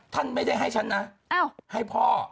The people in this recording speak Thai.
ท่านไม่ได้ให้ฉันนะให้พ่อ